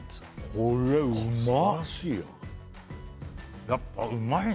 これうまっ！